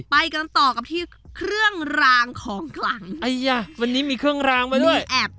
ไปกันต่อกับที่เครื่องรางของขลังวันนี้มีเครื่องรางไว้ด้วยแอบ